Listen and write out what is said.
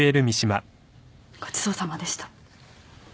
ごちそうさまでした。